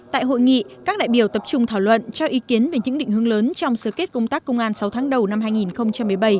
tại hội nghị các đại biểu tập trung thảo luận cho ý kiến về những định hướng lớn trong sơ kết công tác công an sáu tháng đầu năm hai nghìn một mươi bảy